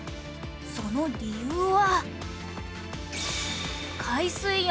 その理由は。